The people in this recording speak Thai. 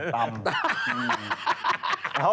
ตำ